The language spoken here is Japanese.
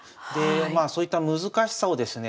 まあそういった難しさをですね